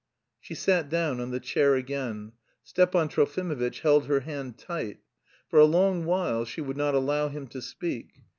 She sat down on the chair again. Stepan Trofimovitch held her hand tight. For a long while she would not allow him to speak.